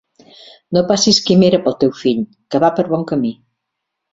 No passis quimera pel teu fill, que va per bon camí.